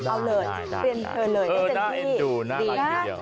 ได้ได้เอ็นดูน่ารักทีนี้